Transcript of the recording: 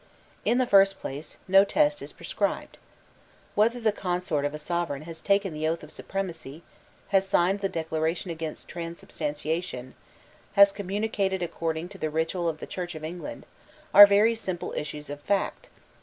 In the first place, no test is prescribed. Whether the consort of a Sovereign has taken the oath of supremacy, has signed the declaration against transubstantiation, has communicated according to the ritual of the Church of England, are very simple issues of fact.